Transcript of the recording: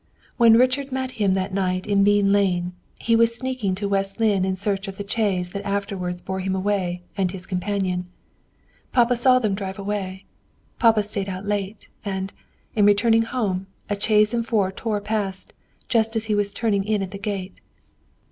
When Richard met him that night in Bean lane, he was sneaking to West Lynne in search of the chaise that afterward bore away him and his companion. Papa saw them drive away. Papa stayed out late; and, in returning home, a chaise and four tore past, just as he was turning in at the gate.